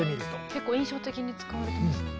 結構印象的に使われてますね。